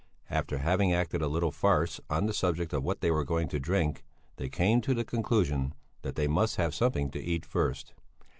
After having acted a little farce on the subject of what they were going to drink, they came to the conclusion that they must have something to eat first.